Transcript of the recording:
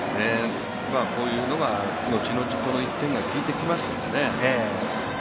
こういうのが、後々この１点がきいてきますね。